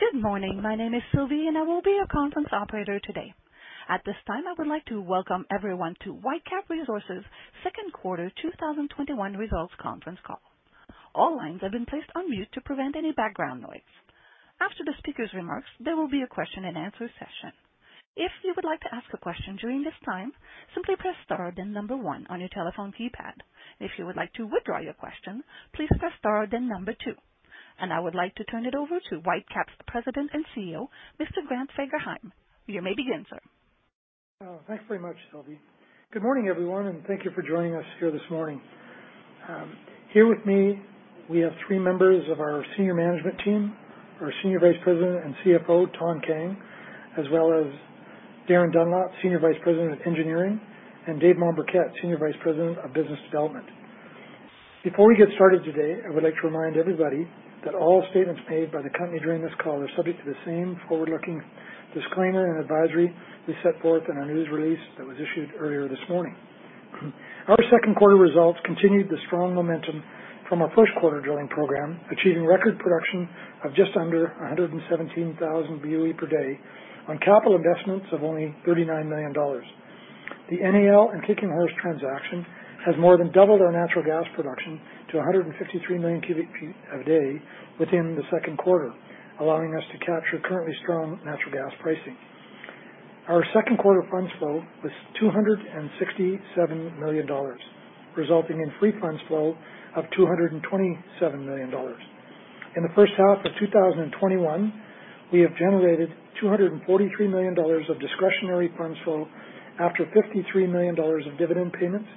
Good morning. My name is Sylvie. I will be your conference operator today. At this time, I would like to welcome everyone to Whitecap Resources' second quarter 2021 results conference call. All lines have been placed on mute to prevent any background noise. After the speaker's remarks, there will be a question and answer session. If you would like to ask a question during this time, simply press star then number one on your telephone keypad. If you would like to withdraw your question, please press star then number two. I would like to turn it over to Whitecap's President and CEO, Mr. Grant Fagerheim. You may begin, sir. Thanks very much, Sylvie. Good morning, everyone, and thank you for joining us here this morning. Here with me, we have three members of our senior management team, our Senior Vice President and CFO, Thanh Kang, as well as Darin Dunlop, Senior Vice President of Engineering, and David Mombourquette, Senior Vice President of Business Development. Before we get started today, I would like to remind everybody that all statements made by the company during this call are subject to the same forward-looking disclaimer and advisory we set forth in our news release that was issued earlier this morning. Our second quarter results continued the strong momentum from our first quarter drilling program, achieving record production of just under 117,000 BOE per day on capital investments of only 39 million dollars. The NAL and Kicking Horse transaction has more than doubled our natural gas production to 153 million cu ft a day within the second quarter, allowing us to capture currently strong natural gas pricing. Our second quarter funds flow was 267 million dollars, resulting in free funds flow of 227 million dollars. In the first half of 2021, we have generated 243 million dollars of discretionary funds flow after 53 million dollars of dividend payments,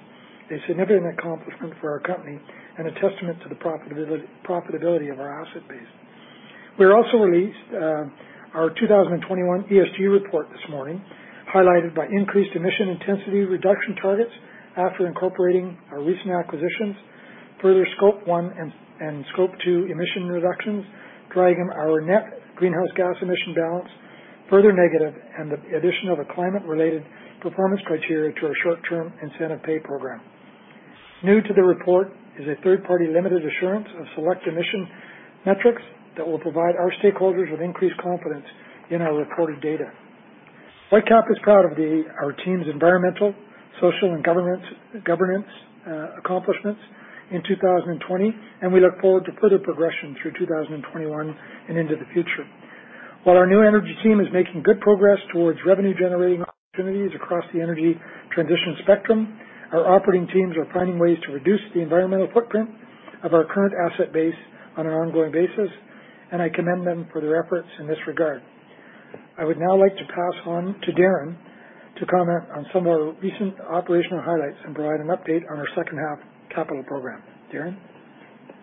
a significant accomplishment for our company and a testament to the profitability of our asset base. We also released our 2021 ESG report this morning, highlighted by increased emission intensity reduction targets after incorporating our recent acquisitions, further Scope 1 and Scope 2 emission reductions, driving our net greenhouse gas emission balance further negative, and the addition of a climate-related performance criteria to our short-term incentive pay program. New to the report is a third-party limited assurance of select emission metrics that will provide our stakeholders with increased confidence in our reported data. Whitecap is proud of our team's environmental, social, and governance accomplishments in 2020. We look forward to further progression through 2021 and into the future. While our new energy team is making good progress towards revenue-generating opportunities across the energy transition spectrum, our operating teams are finding ways to reduce the environmental footprint of our current asset base on an ongoing basis, and I commend them for their efforts in this regard. I would now like to pass on to Darin to comment on some of our recent operational highlights and provide an update on our second half capital program. Darin?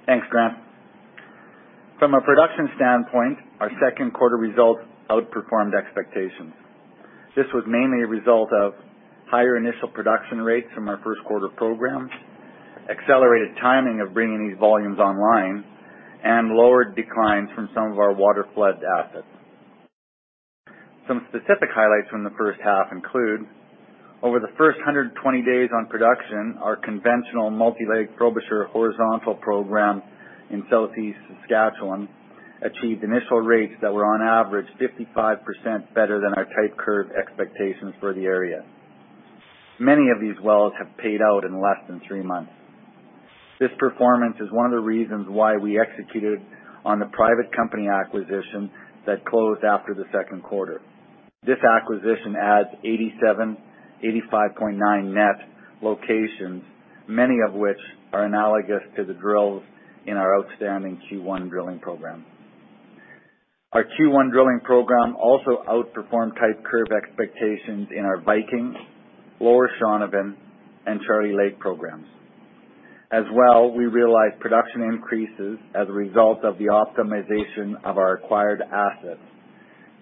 Thanks, Grant. From a production standpoint, our second quarter results outperformed expectations. This was mainly a result of higher initial production rates from our first quarter programs, accelerated timing of bringing these volumes online, and lowered declines from some of our waterflood assets. Some specific highlights from the first half include over the first 120 days on production, our conventional multi-leg Frobisher horizontal program in southeast Saskatchewan achieved initial rates that were on average 55% better than our type curve expectations for the area. Many of these wells have paid out in less than three months. This performance is one of the reasons why we executed on the private company acquisition that closed after the second quarter. This acquisition adds 87, 85.9 net locations, many of which are analogous to the drills in our outstanding Q1 drilling program. Our Q1 drilling program also outperformed type curve expectations in our Viking, Lower Shaunavon, and Charlie Lake programs. As well, we realized production increases as a result of the optimization of our acquired assets,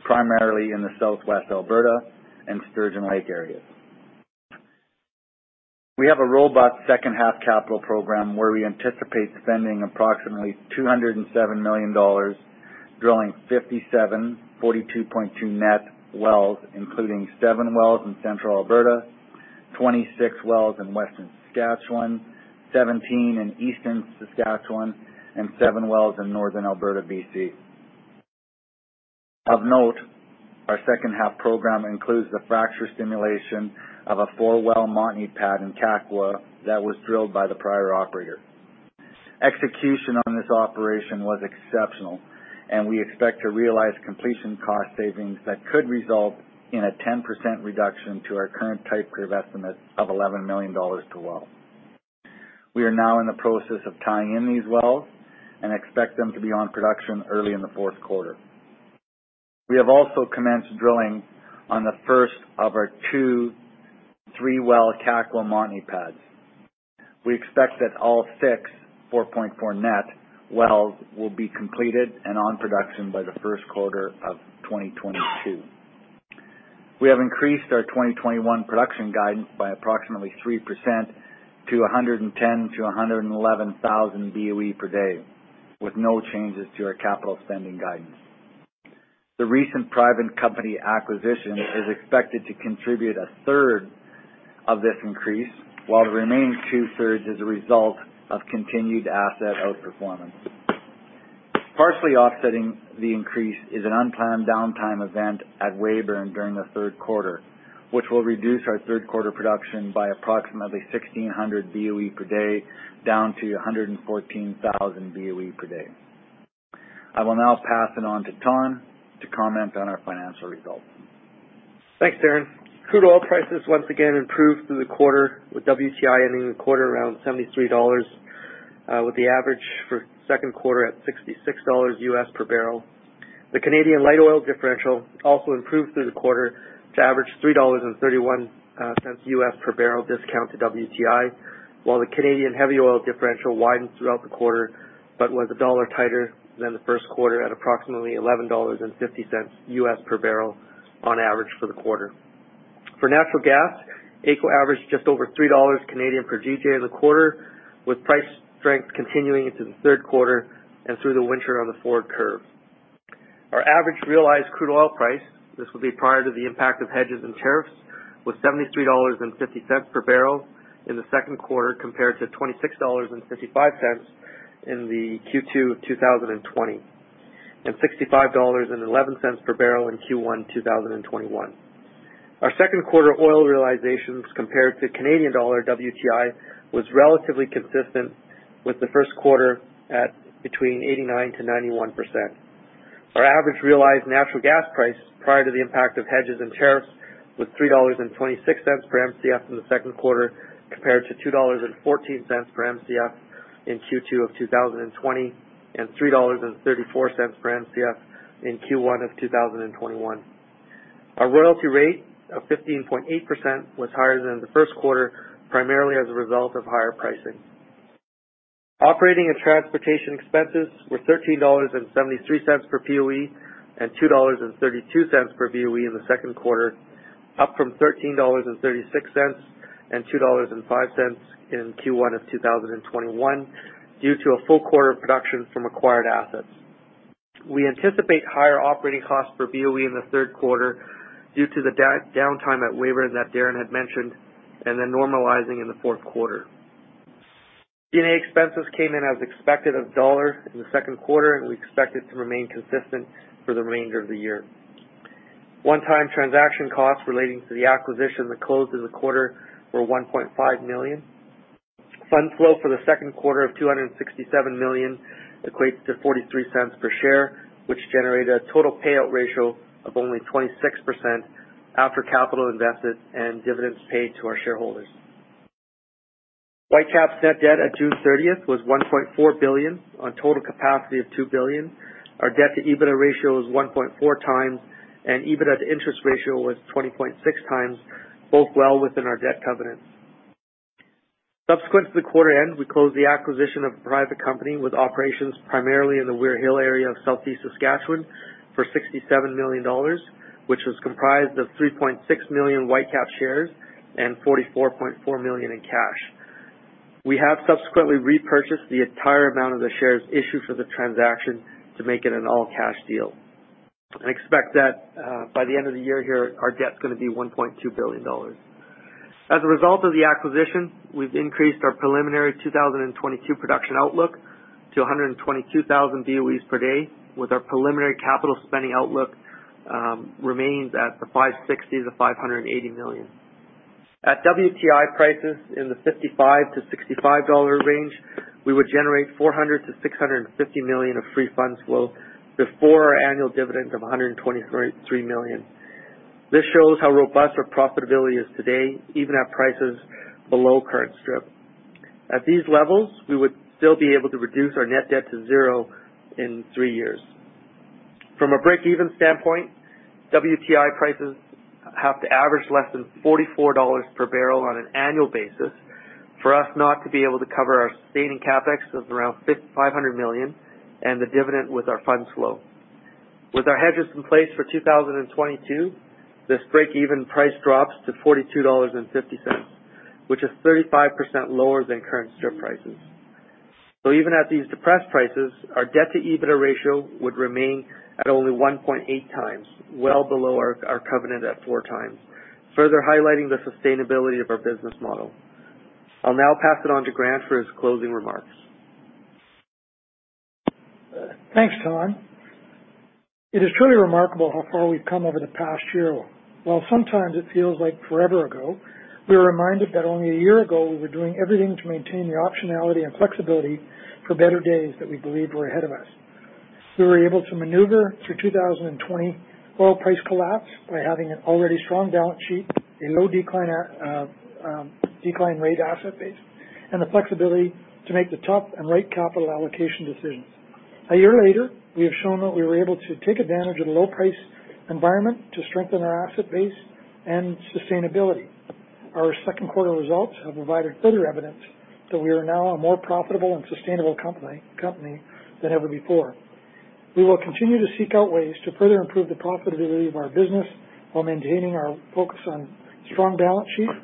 primarily in the Southwest Alberta and Sturgeon Lake areas. We have a robust second half capital program where we anticipate spending approximately 207 million dollars drilling 57, 42.2 net wells, including seven wells in Central Alberta, 26 wells in Western Saskatchewan, 17 in Eastern Saskatchewan, and seven wells in Northern Alberta, B.C. Of note, our second half program includes the fracture stimulation of a four-well Montney pad in Kakwa that was drilled by the prior operator. Execution on this operation was exceptional, and we expect to realize completion cost savings that could result in a 10% reduction to our current type curve estimate of 11 million dollars per well. We are now in the process of tying in these wells and expect them to be on production early in the fourth quarter. We have also commenced drilling on the first of our two, three-well Kakwa Montney pads. We expect that all six, 4.4 net wells will be completed and on production by the first quarter of 2022. We have increased our 2021 production guidance by approximately 3% to 110,000-111,000 BOE per day, with no changes to our capital spending guidance. The recent private company acquisition is expected to contribute a third of this increase, while the remaining two-thirds is a result of continued asset outperformance. Partially offsetting the increase is an unplanned downtime event at Weyburn during the third quarter, which will reduce our third quarter production by approximately 1,600 BOE per day, down to 114,000 BOE per day. I will now pass it on to Thanh to comment on our financial results. Thanks, Darin. Crude oil prices once again improved through the quarter, with WTI ending the quarter around $73, with the average for second quarter at $66 U.S per bbl. The Canadian light oil differential also improved through the quarter to average $3.31 U.S per bbl discount to WTI, while the Canadian heavy oil differential widened throughout the quarter, but was $1 tighter than the first quarter at approximately $11.50 U.S. per bbl on average for the quarter. For natural gas, AECO averaged just over 3 dollars per GJ in the quarter, with price strength continuing into the third quarter and through the winter on the forward curve. Our average realized crude oil price, this will be prior to the impact of hedges and tariffs, was 73.50 dollars/bbl in the second quarter, compared to 26.55 dollars in the Q2 of 2020, and 65.11/bbl in Q1 2021. Our second quarter oil realizations compared to Canadian dollar WTI was relatively consistent with the first quarter at 89%-91%. Our average realized natural gas price prior to the impact of hedges and tariffs was 3.26 per Mcf in the second quarter, compared to 2.14 dollars per Mcf in Q2 of 2020 and 3.34 per Mcf in Q1 of 2021. Our royalty rate of 15.8% was higher than the first quarter, primarily as a result of higher pricing. Operating and transportation expenses were 13.73 dollars per BOE and 2.32 dollars per BOE in the second quarter, up from 13.36 dollars and 2.05 dollars in Q1 of 2021 due to a full quarter of production from acquired assets. We anticipate higher operating costs per BOE in the third quarter due to the downtime at Weyburn that Darin had mentioned, and then normalizing in the fourth quarter. DD&A expenses came in as expected, CAD 1 in the second quarter, and we expect it to remain consistent for the remainder of the year. One-time transaction costs relating to the acquisition that closed in the quarter were 1.5 million. Fund flow for the second quarter of 267 million equates to 0.43 per share, which generated a total payout ratio of only 26% after capital invested and dividends paid to our shareholders. Whitecap's net debt at June 30th was 1.4 billion on total capacity of 2 billion. Our debt-to-EBITDA ratio is 1.4x and EBITDA to interest ratio was 20.6x, both well within our debt covenants. Subsequent to the quarter end, we closed the acquisition of a private company with operations primarily in the Weyburn area of southeast Saskatchewan for 67 million dollars, which was comprised of 3.6 million Whitecap shares and 44.4 million in cash. We have subsequently repurchased the entire amount of the shares issued for the transaction to make it an all-cash deal and expect that by the end of the year here, our debt's going to be 1.2 billion dollars. As a result of the acquisition, we've increased our preliminary 2022 production outlook to 122,000 BOEs per day, with our preliminary capital spending outlook remains at the 560 million-580 million. At WTI prices in the $55-$65 range, we would generate 400 million-650 million of free funds flow before our annual dividend of 123 million. This shows how robust our profitability is today, even at prices below current strip. At these levels, we would still be able to reduce our net debt to zero in three years. From a break-even standpoint, WTI prices have to average less than $44/bbl on an annual basis for us not to be able to cover our sustaining CapEx of around $500 million and the dividend with our funds flow. With our hedges in place for 2022, this break-even price drops to $42.50, which is 35% lower than current strip prices. Even at these depressed prices, our debt-to-EBITDA ratio would remain at only 1.8x, well below our covenant at 4x, further highlighting the sustainability of our business model. I'll now pass it on to Grant for his closing remarks. Thanks, Thanh. It is truly remarkable how far we've come over the past year. While sometimes it feels like forever ago, we're reminded that only a year ago, we were doing everything to maintain the optionality and flexibility for better days that we believed were ahead of us. We were able to maneuver through 2020 oil price collapse by having an already strong balance sheet, a low decline rate asset base, and the flexibility to make the tough and right capital allocation decisions. A year later, we have shown that we were able to take advantage of the low price environment to strengthen our asset base and sustainability. Our second quarter results have provided further evidence that we are now a more profitable and sustainable company than ever before. We will continue to seek out ways to further improve the profitability of our business while maintaining our focus on strong balance sheet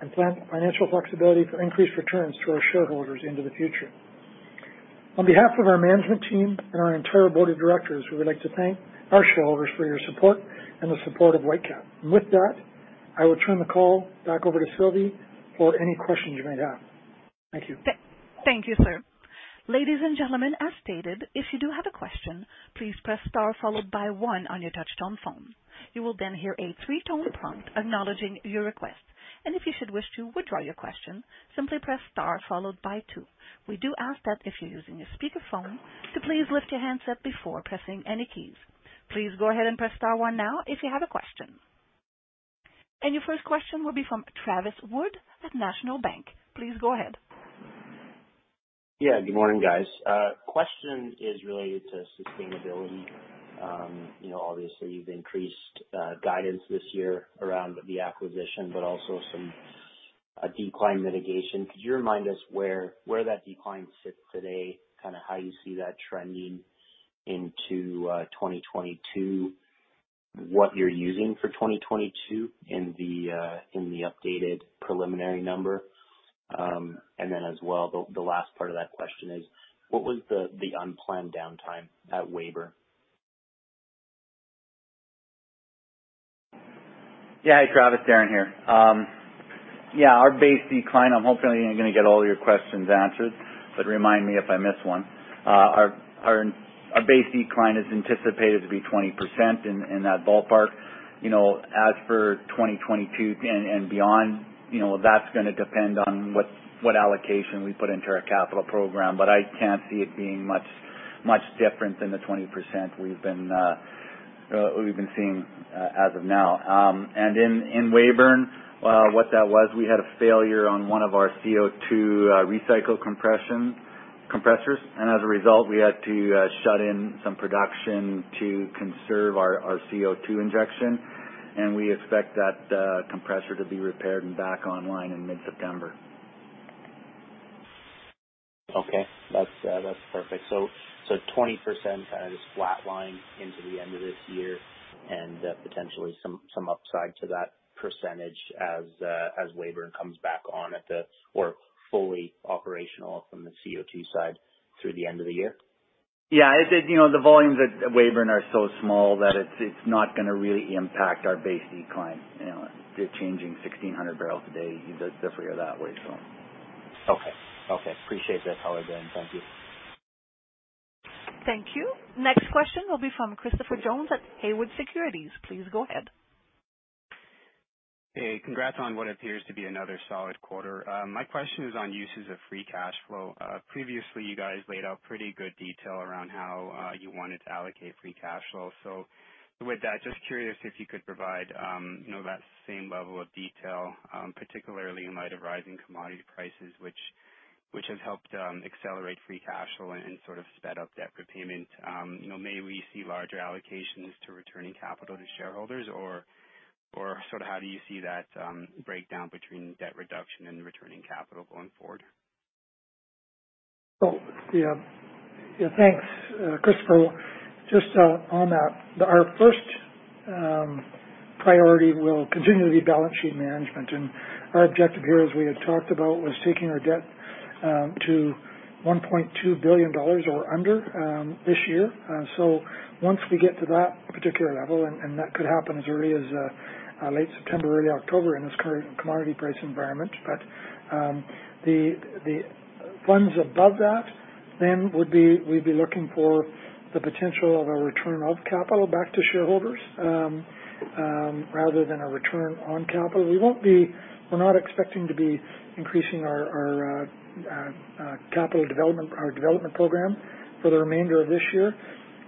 and financial flexibility for increased returns to our shareholders into the future. On behalf of our management team and our entire board of directors, we would like to thank our shareholders for your support and the support of Whitecap. With that, I will turn the call back over to Sylvie for any questions you may have. Thank you. Thank you, sir. Ladies and gentlemen, as stated, if you do have a question, please press star followed by one on your touch-tone phone. You will then hear a three-tone prompt acknowledging your request. If you should wish to withdraw your question, simply press star followed by two. We do ask that if you're using a speakerphone, to please lift your handset before pressing any keys. Please go ahead and press star one now if you have a question. Your first question will be from Travis Wood at National Bank. Please go ahead. Yeah, good morning, guys. Question is related to sustainability. Obviously, you've increased guidance this year around the acquisition, but also some decline mitigation. Could you remind us where that decline sits today, kind of how you see that trending into 2022, what you're using for 2022 in the updated preliminary number? As well, the last part of that question is what was the unplanned downtime at Weyburn? Yeah. Hi, Travis. Darin here. Yeah, our base decline, I'm hopefully going to get all your questions answered, but remind me if I miss one. Our base decline is anticipated to be 20% in that ballpark. As for 2022 and beyond, that's going to depend on what allocation we put into our capital program. I can't see it being much different than the 20% we've been seeing as of now. In Weyburn, what that was, we had a failure on one of our CO2 recycle compressors. As a result, we had to shut in some production to conserve our CO2 injection, and we expect that compressor to be repaired and back online in mid-September. Okay. That's perfect. 20% kind of just flat line into the end of this year and potentially some upside to that percentage as Weyburn comes back on or fully operational from the CO2 side through the end of the year? Yeah. The volumes at Weyburn are so small that it's not going to really impact our base decline. They're changing 1,600 bbl a day, roughly that way. Okay. Appreciate that color, Darin. Thank you. Thank you. Next question will be from Christopher Jones at Haywood Securities. Please go ahead. Hey, congrats on what appears to be another solid quarter. My question is on uses of free cash flow. Previously, you guys laid out pretty good detail around how you wanted to allocate free cash flow. With that, just curious if you could provide that same level of detail, particularly in light of rising commodity prices, which have helped accelerate free cash flow and sort of sped up debt repayment. May we see larger allocations to returning capital to shareholders, or sort of how do you see that breakdown between debt reduction and returning capital going forward? Thanks, Christopher. On that, our first priority will continue to be balance sheet management. Our objective here, as we had talked about, was taking our debt to 1.2 billion dollars or under this year. Once we get to that particular level, and that could happen as early as late September, early October in this current commodity price environment. The ones above that we'd be looking for the potential of a return of capital back to shareholders rather than a return on capital. We're not expecting to be increasing our development program for the remainder of this year,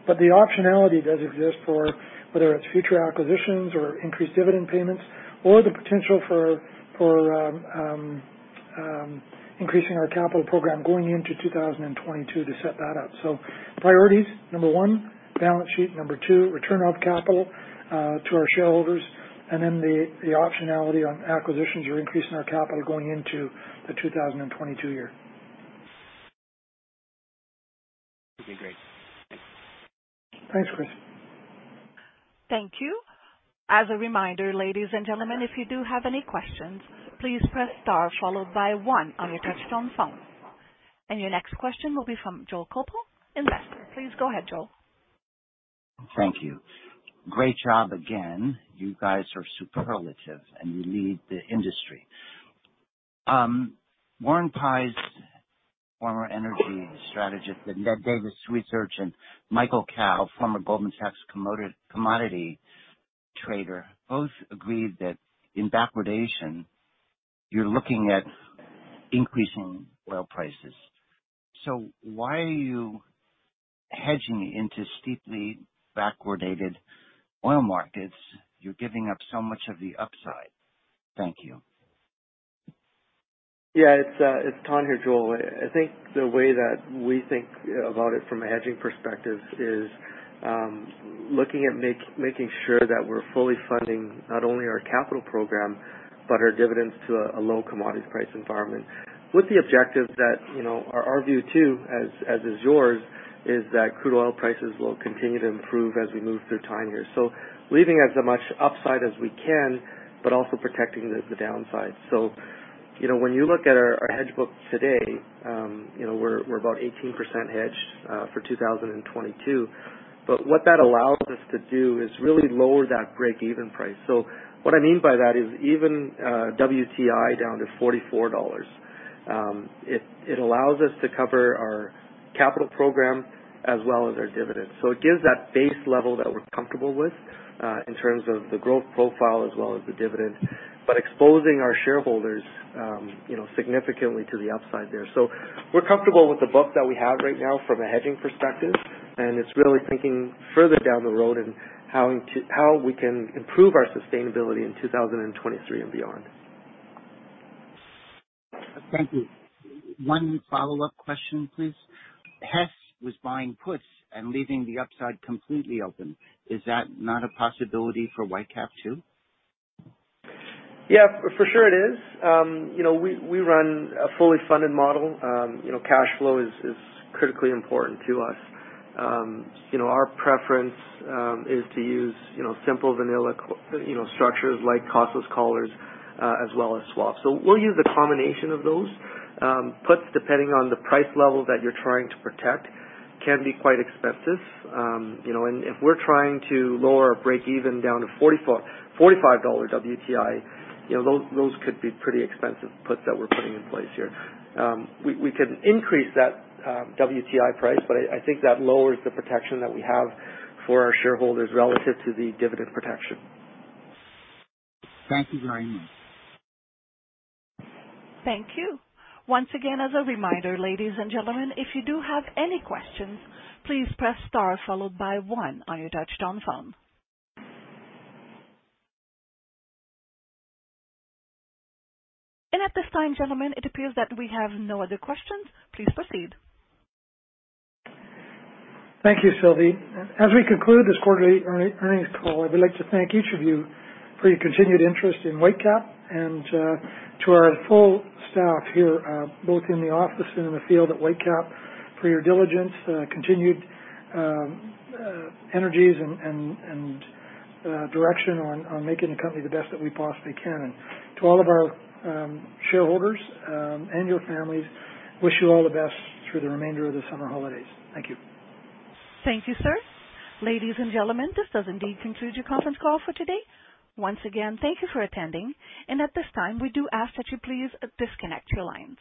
but the optionality does exist for whether it's future acquisitions or increased dividend payments or the potential for increasing our capital program going into 2022 to set that up. Priorities, number one, balance sheet. Number two, return of capital to our shareholders, and then the optionality on acquisitions or increasing our capital going into the 2022 year. Okay, great. Thanks, Chris. Thank you. As a reminder, ladies and gentlemen, if you do have any questions, please press star followed by one on your touch-tone phone. Your next question will be from Joel Koppol, Investor. Please go ahead, Joel. Thank you. Great job again. You guys are superlative, and you lead the industry. Warren Pies, former energy strategist at Ned Davis Research, and Michael Kao, former Goldman Sachs commodity trader, both agreed that in backwardation, you're looking at increasing oil prices. Why are you hedging into steeply backwardated oil markets? You're giving up so much of the upside. Thank you. Yeah, it's Todd here, Joel. I think the way that we think about it from a hedging perspective is looking at making sure that we're fully funding not only our capital program but our dividends to a low commodity price environment with the objective that our view, too, as is yours is that crude oil prices will continue to improve as we move through time here. Leaving as much upside as we can, but also protecting the downside. When you look at our hedge book today, we're about 18% hedged for 2022. What that allows us to do is really lower that breakeven price. What I mean by that is even WTI down to $44. It allows us to cover our capital program as well as our dividend. It gives that base level that we're comfortable with, in terms of the growth profile as well as the dividend, but exposing our shareholders significantly to the upside there. We're comfortable with the book that we have right now from a hedging perspective, and it's really thinking further down the road and how we can improve our sustainability in 2023 and beyond. Thank you. One follow-up question, please. Hess was buying puts and leaving the upside completely open. Is that not a possibility for Whitecap, too? For sure it is. We run a fully funded model. Cash flow is critically important to us. Our preference is to use simple vanilla structures like costless collars, as well as swaps. We'll use a combination of those. Puts, depending on the price level that you're trying to protect, can be quite expensive. If we're trying to lower our breakeven down to $45 WTI, those could be pretty expensive puts that we're putting in place here. We can increase that WTI price, I think that lowers the protection that we have for our shareholders relative to the dividend protection. Thank you very much. Thank you. Once again, as a reminder, ladies and gentlemen, if you do have any questions, please press star followed by one on your touchtone phone. At this time, gentlemen, it appears that we have no other questions. Please proceed. Thank you, Sylvie. As we conclude this quarterly earnings call, I would like to thank each of you for your continued interest in Whitecap and to our full staff here, both in the office and in the field at Whitecap, for your diligence, continued energies, and direction on making the company the best that we possibly can. To all of our shareholders and your families, wish you all the best through the remainder of the summer holidays. Thank you. Thank you, sir. Ladies and gentlemen, this does indeed conclude your conference call for today. Once again, thank you for attending. At this time, we do ask that you please disconnect your lines.